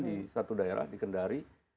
di satu daerah di kendari